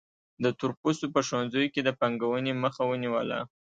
د تور پوستو په ښوونځیو کې د پانګونې مخه ونیوله.